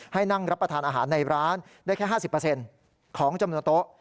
ให้นั่งรับประทานอาหารในร้านได้แค่๕๐ของจำนวนโต๊ะ